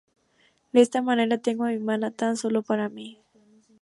De esta manera, tengo a Manhattan solo para mí.